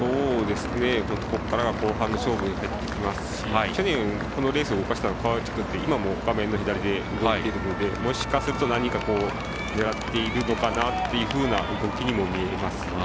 ここからが後半の勝負に入ってきますし去年、このレースを動かしたのは川内君で今も画面の左で動いているのでもしかすると、何か狙っているのかなというふうな動きにも見えますね。